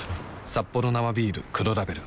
「サッポロ生ビール黒ラベル」